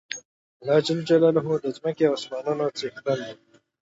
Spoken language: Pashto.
الله ج د ځمکی او اسمانونو څښتن دی